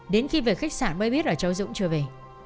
đến khi về khách sạn mới biết là cháu dũng chưa về